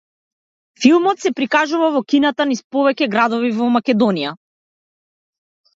Филмот се прикажува во кината низ повеќе градови во Македонија.